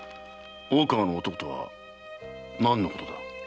「大川の男」とは何のことだ？